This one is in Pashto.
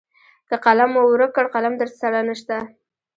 که قلم مو ورک کړ قلم درسره نشته .